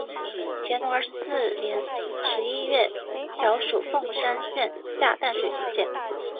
乾隆二十四年十一月调署凤山县下淡水巡检。